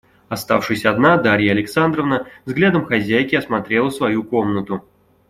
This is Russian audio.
Оставшись одна, Дарья Александровна взглядом хозяйки осмотрела свою комнату.